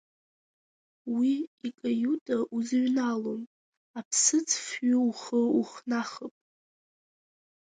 Уи икаиута узыҩналом, аԥсыӡфҩы ухы ухнахып!